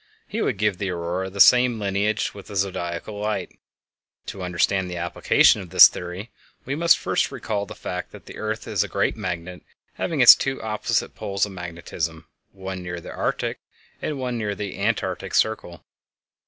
He would give the Aurora the same lineage with the Zodiacal Light. To understand the application of this theory we must first recall the fact that the earth is a great magnet having its two opposite poles of magnetism, one near the Arctic and the other near the Antarctic Circle.